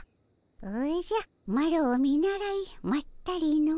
おじゃマロを見習いまったりの。